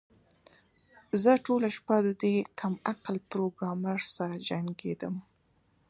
زه ټوله شپه د دې کم عقل پروګرامر سره جنګیدم